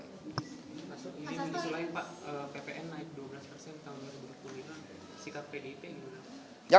ini menurut lain pak ppn naik dua belas tahun dua ribu dua puluh kan sikap pdip gimana